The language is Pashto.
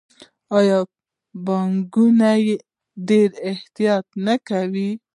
آیا بانکونه یې ډیر احتیاط نه کوي؟